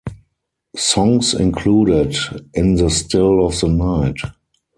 Songs included "In the Still of the Night".